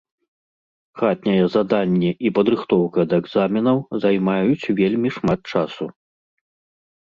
Хатняе заданне і падрыхтоўка да экзаменаў займаюць вельмі шмат часу.